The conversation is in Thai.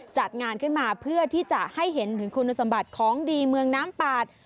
จัดงานขึ้นมาเพื่อที่จะให้เห็นถึงคุณสมบัติของดีเมืองน้ำปาด